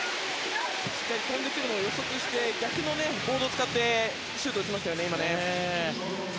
しっかり跳んでくるのを予測して逆のボードを使ってシュートを打ちましたね。